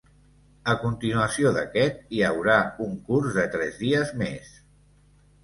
A continuació d'aquest, hi haurà un curs de tres dies més.